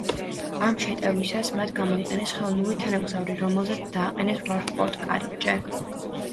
ამ შეტევისას მათ გამოიყენეს ხელოვნური თანამგზავრი, რომელზეც დააყენეს ვარსკვლავთკარიბჭე.